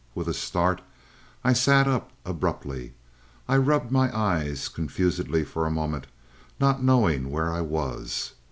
With a start I sat up abruptly; I rubbed my eyes confusedly for a moment, not knowing where I was.